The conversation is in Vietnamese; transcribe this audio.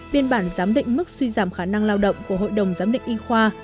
biên bản giám định mức suy giảm khả năng lao động của hội đồng giám định y khoa